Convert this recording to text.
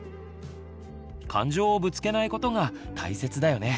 感情をぶつけないことが大切だよね。